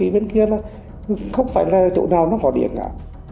bên kia là không phải là chỗ nào nó có điện cả